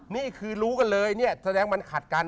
นี่คือรู้กันเลยเนี่ยแสดงมันขัดกัน